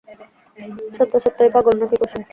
সত্য সত্যই পাগল নাকি কুসুম?